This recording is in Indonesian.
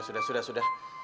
ya sudah sudah sudah